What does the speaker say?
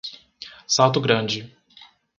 Salto Grande